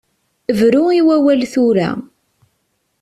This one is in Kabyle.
Bru i wawal tura.